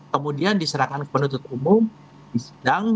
kemudian diserahkan ke penuntut umum disidang